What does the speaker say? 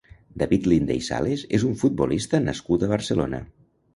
David Linde i Sales és un futbolista nascut a Barcelona.